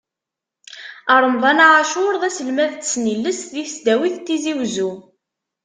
Remḍan Ɛacur, d aselmad n tesnilest di tesdawit n Tizi Uzzu.